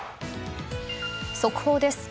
速報です。